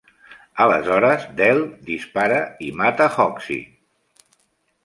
Aleshores, Dell dispara i mata Hoxey.